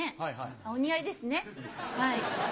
お似合いですねはい。